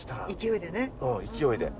勢いでね。